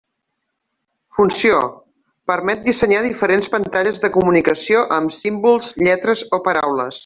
Funció: permet dissenyar diferents pantalles de comunicació amb símbols, lletres o paraules.